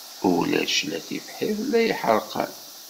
Ulac la tibḥirt la iḥerqan.